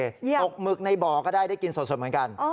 ตกหมึกในบ่อก็ได้ได้กินสดเหมือนกัน